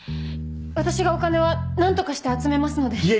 私がお金は何とかして集めますので。